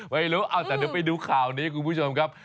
ไม่รู้เอาแต่เดี๋ยวไปดูข่าวนี้คุณผู้ชมครับ